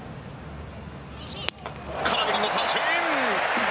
空振りの三振！